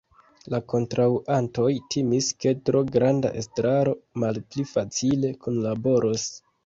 La kontraŭantoj timis ke tro granda estraro malpli facile kunlaboros.